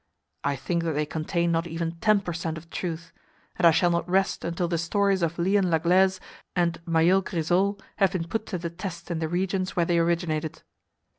I think that they contain not even ten per cent of truth; and I shall not rest until the stories of Leon Laglaize and Mayeul Grisol have been put to the test in the regions where they originated.